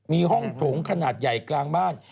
มีห้องโถงขนาดใหญ่กลางบ้าน